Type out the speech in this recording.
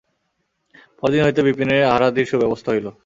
পরদিন হইতে বিপিনের আহারাদির সুব্যবস্থা হইল।